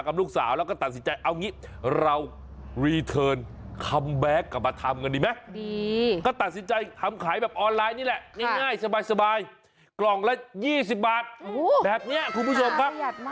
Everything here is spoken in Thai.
ทำขายแบบออนไลน์นี่แหละง่ายสบายกล่องละ๒๐บาทแบบนี้คุณผู้ชมครับ